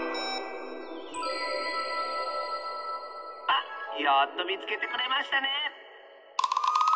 あっやっとみつけてくれましたね！